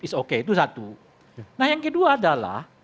it's okay itu satu nah yang kedua adalah